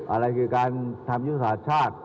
อะไรคือการทำยุทธศาสตร์ชาติ